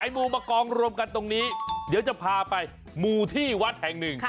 มูมากองรวมกันตรงนี้เดี๋ยวจะพาไปมูที่วัดแห่งหนึ่ง